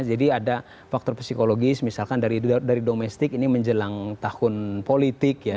ada faktor psikologis misalkan dari domestik ini menjelang tahun politik ya